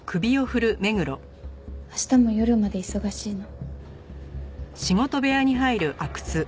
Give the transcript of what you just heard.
明日も夜まで忙しいの。